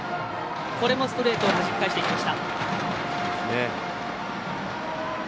これもストレートをはじき返していきました。